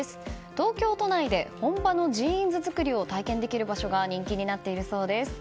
東京都内で本場のジーンズ作りを体験できる場所が人気になっているそうです。